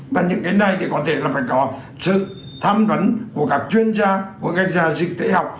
và những cái này thì có thể là phải có sự tham vấn của các chuyên gia của các nhà dịch thể học